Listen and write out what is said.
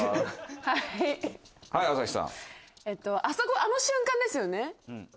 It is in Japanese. あそこあの瞬間ですよね。